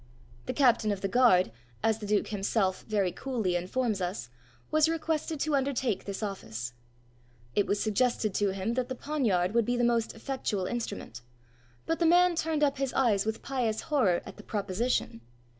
The captain of the guard, as the duke himself very coolly informs us, was requested to undertake this office. It was suggested to him that the poniard would be the most effectual instrument, but the man turned up his eyes with pious horror at the proposition.